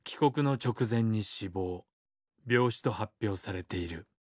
病死と発表されている。